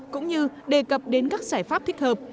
cũng như đề cập đến các giải pháp thích hợp